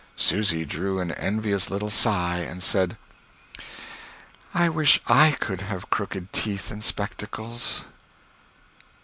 Susy drew an envious little sigh and said: "I wish I could have crooked teeth and spectacles!"